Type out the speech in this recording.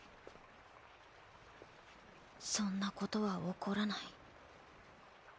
そんなことは起こらない。